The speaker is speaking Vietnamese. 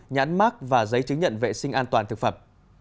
nhãn mắc và giấy chứng nhận vệ sinh an toàn thực phẩm